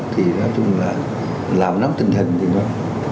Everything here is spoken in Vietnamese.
thì nói chung là làm nắm tình hình thì nó